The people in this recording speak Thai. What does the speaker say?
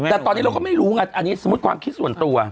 แต่ตอนนี้เราก็ไม่รู้ไงอันนี้สมมุติความคิดส่วนตัว